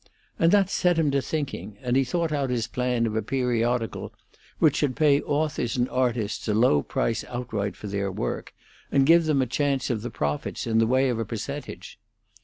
and that set him to thinking, and he thought out his plan of a periodical which should pay authors and artists a low price outright for their work and give them a chance of the profits in the way of a percentage.